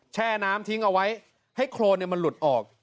แช่น้ำทิ้งเอาไว้ให้โครนมันหลุดออก